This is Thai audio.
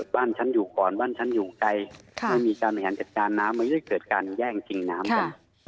บ้านฉันอยู่ก่อนบ้านฉันอยู่ไกลไม่มีการบริหารจัดการน้ำมันก็จะเกิดการแย่งกินน้ำกัน